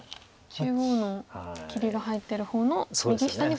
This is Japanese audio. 中央の切りが入ってる方の右下にコスミツケ。